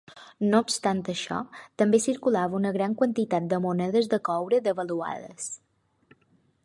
No obstant això, també circulava una gran quantitat de monedes de coure devaluades.